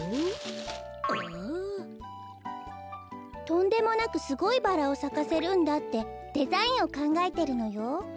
とんでもなくすごいバラをさかせるんだってデザインをかんがえてるのよ。